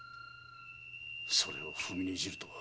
それを踏みにじるとは。